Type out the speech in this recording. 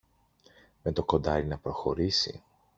με το κοντάρι να προχωρήσει.